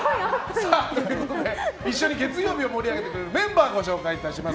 一緒に月曜日を盛り上げてくれるメンバーをご紹介いたします。